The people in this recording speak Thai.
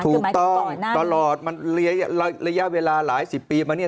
ถูกต้องตลอดมันระยะเวลาหลายสิบปีมาเนี่ย